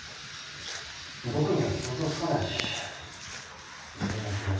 僕には想像つかないし。